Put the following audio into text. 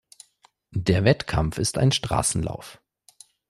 Der Wettkampf ist ein Straßenlauf.